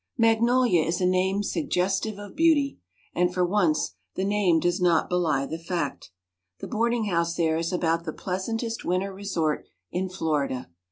Magnolia is a name suggestive of beauty; and, for once, the name does not belie the fact. The boarding house there is about the pleasantest winter resort in Florida.